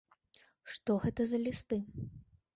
Што гэта за лісты?